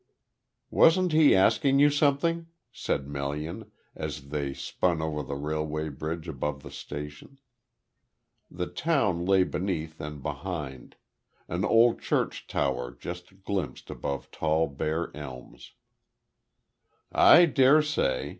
"Wasn't he asking you something?" said Melian, as they spun over the railway bridge above the station. The town lay beneath and behind; an old church tower just glimpsed above tall bare elms. "I dare say.